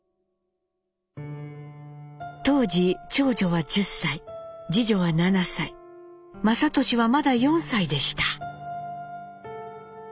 当時長女は１０歳次女は７歳雅俊はまだ４歳でした。